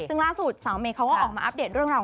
ซึ่งล่าสุดสาวเมย์เขาก็ออกมาอัปเดตเรื่องราว